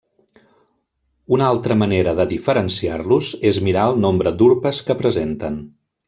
Una altra manera de diferenciar-los és mirar el nombre d'urpes que presenten.